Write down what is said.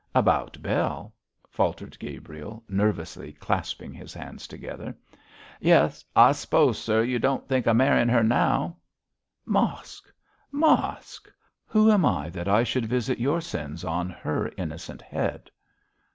'About Bell,' faltered Gabriel, nervously clasping his hands together. 'Yes! I s'pose, sir, you won't think of marryin' her now?' 'Mosk! Mosk! who am I that I should visit your sins on her innocent head?'